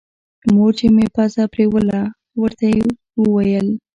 مور چې مې پزه پرېوله ورته ويې ويل.